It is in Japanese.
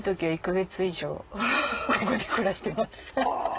はい。